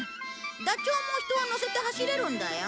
ダチョウも人を乗せて走れるんだよ。